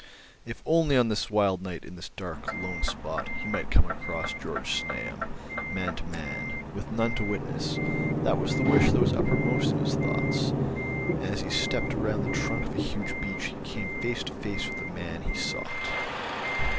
If only on this wild night, in this dark, lone spot, he might come across Georg Znaeym, man to man, with none to witness—that was the wish that was uppermost in his thoughts. And as he stepped round the trunk of a huge beech he came face to face with the man he sought.